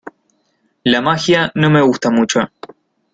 La magia no me gusta mucho.